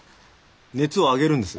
熱を上げるんです。